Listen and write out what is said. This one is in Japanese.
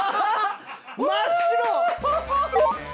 真っ白！